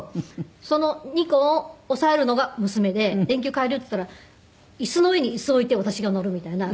その２個を押さえるのが娘で電球替えるよって言ったら椅子の上に椅子を置いて私が乗るみたいな。